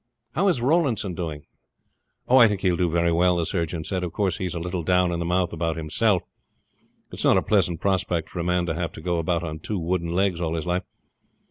"How is Rawlinson going on?" "Oh, I think he will do very well," the surgeon said. "Of course he's a little down in the mouth about himself. It is not a pleasant prospect for a man to have to go about on two wooden legs all his life.